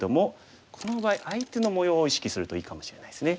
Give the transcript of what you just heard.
この場合相手の模様を意識するといいかもしれないですね。